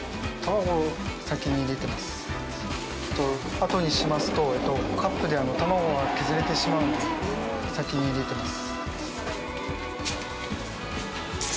あとにしますとカップで玉子が削れてしまうので先に入れてます。